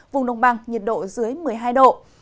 vùng đồng bằng nhiệt độ dưới một mươi hai độ